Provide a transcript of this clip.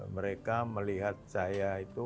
mereka melihat saya itu